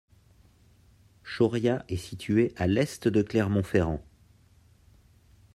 Chauriat est située à l'est de Clermont-Ferrand.